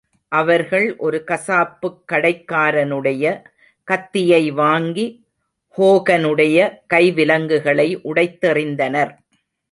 அவர்கள் ஒரு கசாப்புக்கடைக்காரனுடைய கத்தியை வாங்கி ஹோகனுடைய கைவிலங்குகளை உடைந்தெறிந்னர்.